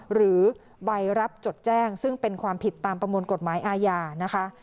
หรือใบรับจดแจ้งซึ่งเป็นความผิดตามประมวลกฎหมายอาญานะคะ